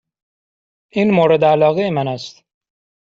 این مورد علاقه من است.